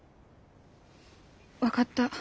分かった。